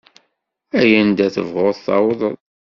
Ay anda tebɣuḍ tawḍeḍ.